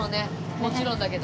もちろんだけど。